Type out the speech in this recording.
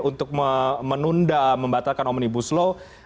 untuk menunda membatalkan omnibus law